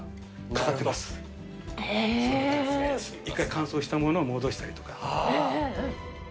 一回乾燥したものを戻したりとか。